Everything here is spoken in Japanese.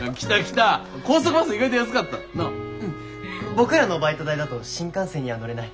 僕らのバイト代だと新幹線には乗れない。